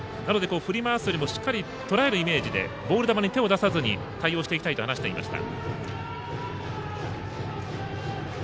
振り回すよりもしっかりとらえるイメージでボール球に手を出さずに対応していきたいと話していました。